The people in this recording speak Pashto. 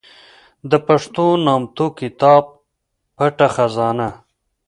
د پښتو نامتو کتاب پټه خزانه